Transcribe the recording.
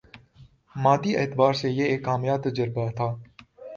مادی اعتبار سے یہ ایک کامیاب تجربہ تھا